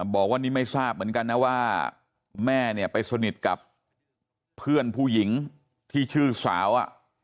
บอกว่านี่ไม่ทราบเหมือนกันนะว่าแม่เนี่ยไปสนิทกับเพื่อนผู้หญิงที่ชื่อสาว